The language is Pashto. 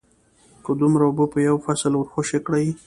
که دومره اوبه په یو فصل ورخوشې کړې